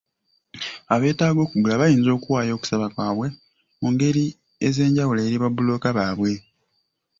Abeetaaga okugula bayinza okuwaayo okusaba kwaabwe mu ngeri ez'enjawulo eri ba bbulooka baabwe.